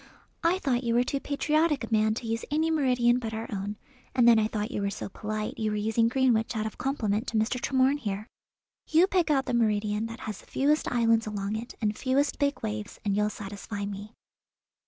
"I thought you were too patriotic a man to use any meridian but our own, and then I thought you were so polite you were using Greenwich out of compliment to Mr. Tremorne here. You pick out the meridian that has the fewest islands along it and fewest big waves, and you'll satisfy me."